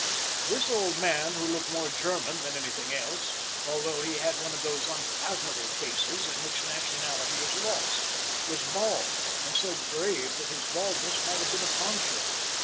This old man, who looked more German than anything else, although he had one of those unfathomable faces in which nationality is lost, was bald, and so grave that his baldness might have been a tonsure.